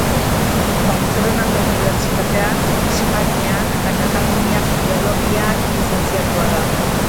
Bartzelonako Unibertsitatean Hispaniar eta Kataluniar Filologian Lizentziatua da.